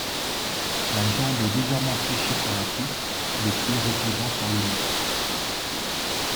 La jambe est légèrement fléchie sur la cuisse, le pied reposant sur le lit.